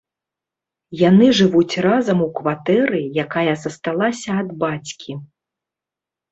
Яны жывуць разам у кватэры, якая засталася ад бацькі.